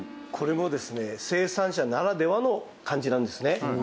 これもですね生産者ならではの感じなんですね。